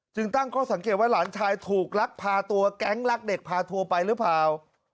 ตั้งข้อสังเกตว่าหลานชายถูกลักพาตัวแก๊งรักเด็กพาทัวร์ไปหรือเปล่า